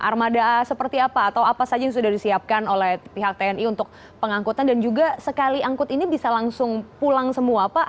armada seperti apa atau apa saja yang sudah disiapkan oleh pihak tni untuk pengangkutan dan juga sekali angkut ini bisa langsung pulang semua pak